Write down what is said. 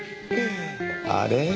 あれ？